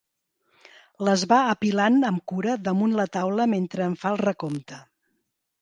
Les va apilant amb cura damunt la taula mentre en fa el recompte.